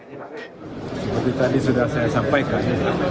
seperti tadi sudah saya sampaikan